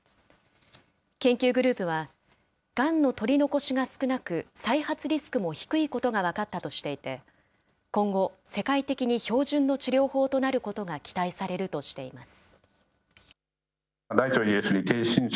研究グループは、がんの取り残しが少なく、再発リスクも低いことが分かったとしていて、今後、世界的に標準の治療法となることが期待されるとしています。